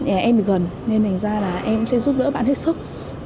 em bị gần nên thành ra là em sẽ giúp đỡ bạn hết sức